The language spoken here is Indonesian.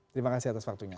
terima kasih atas waktunya